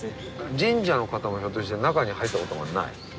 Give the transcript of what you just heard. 神社の方もひょっとして中に入ったことがない？